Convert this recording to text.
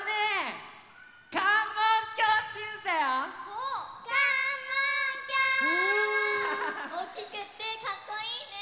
おおきくてかっこいいね！